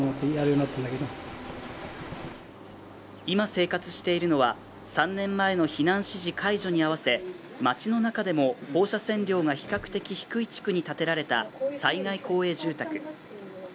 今、生活しているのは３年前の避難指示解除に合わせ町の中でも放射線量が比較的低い地域に建てられた災害公営住宅。